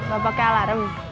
gak pakai alarm